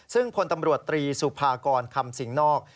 ซึ่งพลตำรวจตรีสุภากรคำสิงหนอก